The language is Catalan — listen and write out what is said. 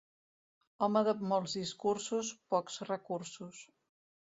Home de molts discursos, pocs recursos.